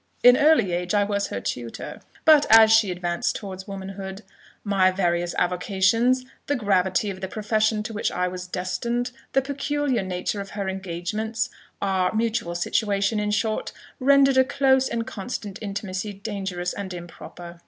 In early age I was her tutor; but as she advanced towards womanhood, my various avocations, the gravity of the profession to which I was destined, the peculiar nature of her engagements, our mutual situation, in short, rendered a close and constant intimacy dangerous and improper.